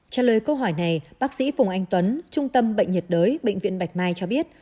trả lời câu hỏi này bác sĩ phùng anh tuấn trung tâm bệnh nhiệt đới bệnh viện bạch mai cho biết